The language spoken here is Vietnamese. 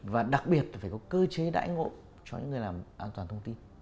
và đặc biệt là phải có cơ chế đãi ngộ cho những người làm an toàn thông tin